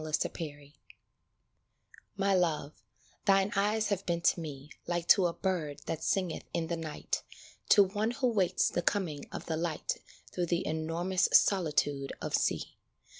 65 SONG MY Love, thine eyes have been to me Like to a bird that singeth in the night To one who waits the coming of the light Through the enormous solitude of sea.